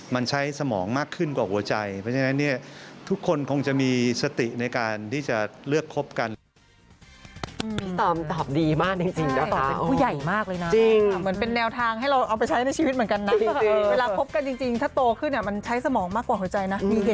มันใช้สมองมากขึ้นกว่าหัวใจ